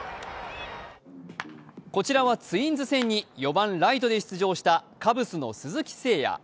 こちらはツインズ戦に４番・ライトで出場したカブスの鈴木誠也。